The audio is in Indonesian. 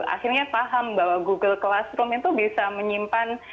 akhirnya paham bahwa google classroom itu bisa menyimpan